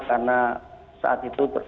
karena saat itu